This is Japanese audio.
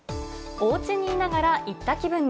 おうちにいながら行った気分に。